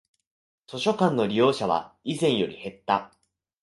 図書館の利用者は以前より減った